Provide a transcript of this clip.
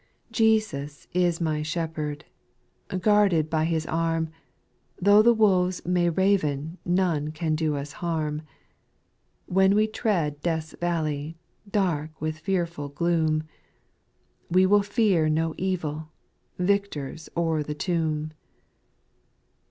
4. Jesus is our Shepherd ;— guarded by His arm, Though the wolves may raven, none can do us harm ; When we tread death's valley, dark with fearful gloom. We will fear no evil, victors o'er the tomb.